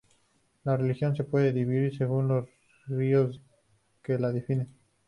La región se puede dividir según los tres ríos que la definen.